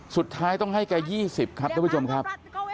สุดท้ายต้องให้แก๒๐ครับทุกผู้ชมครับ